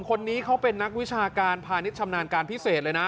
คนนี้เขาเป็นนักวิชาการพาณิชยชำนาญการพิเศษเลยนะ